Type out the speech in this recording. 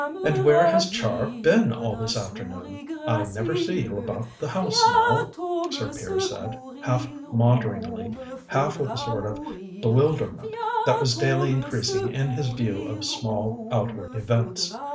"And where has Char been all this afternoon? I never see you about the house now," Sir Piers said, half maunderingly, half with a sort of bewilderment that was daily increasing in his view of small outward events.